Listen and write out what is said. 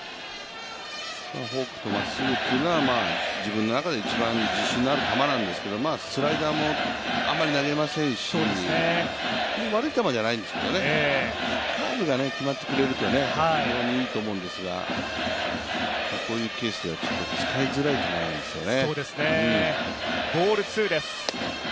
フォークとまっすぐというのは、自分の中で一番自信のある球なんですけど、スライダーもあまり投げませんし、悪い球じゃないんですけどね、カーブが決まってくれると非常にいいと思うんですが、こういうケースは使いづらいんですよね。